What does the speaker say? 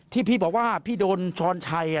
ที่พี่บอกว่าพี่โดนช้อนชัยอะไรแหละ